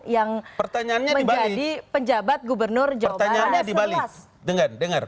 yang menjadi penjabat gubernur jawa barat